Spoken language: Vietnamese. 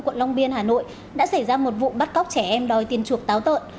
quận long biên hà nội đã xảy ra một vụ bắt cóc trẻ em đòi tiền chuộc táo tợn